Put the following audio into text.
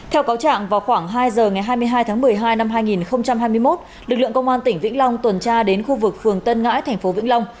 theo cáo trạng vào khoảng hai giờ ngày hai mươi hai tháng một mươi hai năm hai nghìn hai mươi một lực lượng công an tỉnh vĩnh long tuần tra đến khu vực phường tân ngãi thành phố vĩnh long